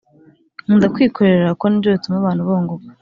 Nkunda kwikorera kuko nibyo bituma abantu bunguka